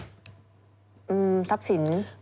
ทรัพย์สิน